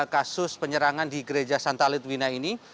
kasus penyerangan di gereja santa litwina ini